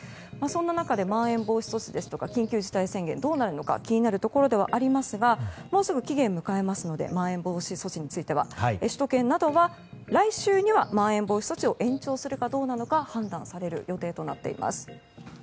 そんな中で、まん延防止措置や緊急事態宣言がどうなるのか気になるところではありますがもうすぐ、まん延防止措置は期限を迎えますので首都圏などは来週にはまん延防止措置を延長するかどうなのか判断される予定となっています。